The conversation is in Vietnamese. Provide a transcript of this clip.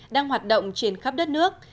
đang hoạt động trên khắp đất nước